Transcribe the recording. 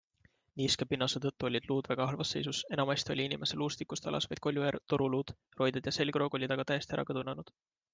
Niiske pinnase tõttu olid luud väga halvas seisus, enamasti oli inimese luustikust alles vaid kolju ja toruluud, roided ja selgroog olid aga täiesti ära kõdunenud.